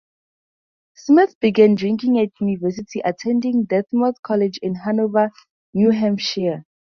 Smith began drinking at university, attending Dartmouth College in Hanover, New Hampshire.